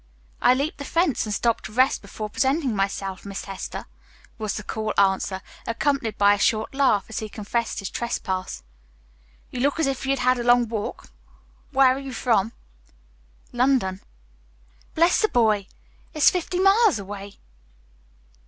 "I leaped the fence and stopped to rest before presenting myself, Miss Hester" was the cool answer, accompanied by a short laugh as he confessed his trespass. "You look as if you'd had a long walk; where are you from?" "London." "Bless the boy! It's fifty miles away."